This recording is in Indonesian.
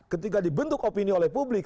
ketika dibentuk opini oleh publik